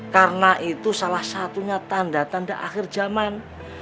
karena itu salah satunya tanda tanda akhir zaman